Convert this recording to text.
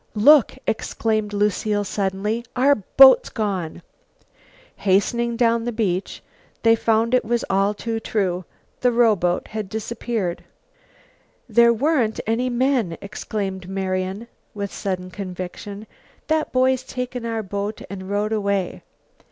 "Look!" exclaimed Lucile suddenly; "our boat's gone!" Hastening down the beach, they found it was all too true; the rowboat had disappeared. "There weren't any men," exclaimed Marian with sudden conviction. "That boy's taken our boat and rowed away."